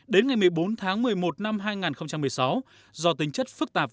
đến ngày một mươi bốn tháng một mươi một năm hai nghìn một mươi sáu